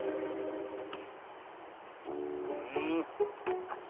ふんあっ